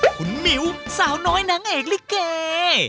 คุณหมิวสาวน้อยนางเอกลิเก